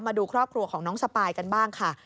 มาดูครอบครัวของน้องสปายกันบ้างค่ะ